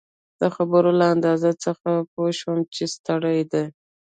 د خبرو له انداز څخه يې پوه شوم چي ستړی دی.